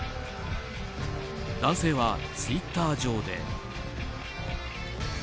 男性はツイッター上で。